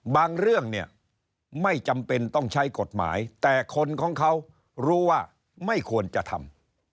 เรื่องเนี่ยไม่จำเป็นต้องใช้กฎหมายแต่คนของเขารู้ว่าไม่ควรจะทำ